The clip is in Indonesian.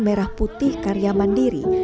merah putih karya mandiri